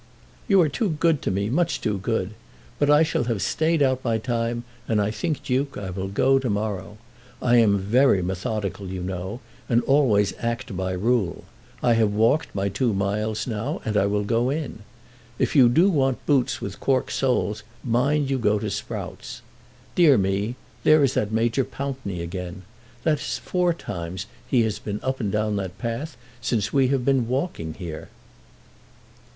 "You are too good to me, much too good. But I shall have stayed out my time, and I think, Duke, I will go to morrow. I am very methodical, you know, and always act by rule. I have walked my two miles now, and I will go in. If you do want boots with cork soles mind you go to Sprout's. Dear me; there is that Major Pountney again. That is four times he has been up and down that path since we have been walking here."